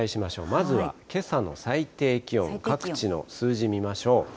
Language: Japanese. まずはけさの最低気温、各地の数字見ましょう。